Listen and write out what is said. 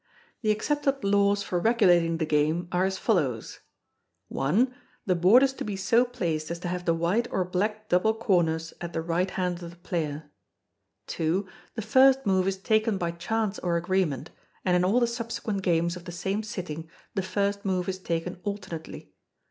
The accepted laws for regulating the game are as follows: i. The board is to be so placed as to have the white or black double corners at the right hand of the player. ii. The first move is taken by chance or agreement, and in all the subsequent games of the same sitting, the first move is taken alternately.